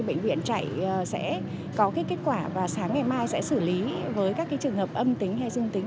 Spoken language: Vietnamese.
bệnh viện chạy sẽ có kết quả và sáng ngày mai sẽ xử lý với các trường hợp âm tính hay dương tính